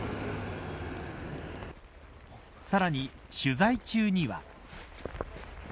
さらに取材中には。